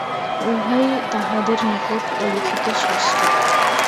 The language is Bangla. উহাই তাঁহাদের নিকট অলিখিত শাস্ত্র।